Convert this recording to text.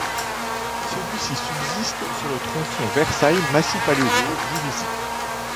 Celui-ci subsiste sur le tronçon Versailles — Massy-Palaiseau - Juvisy.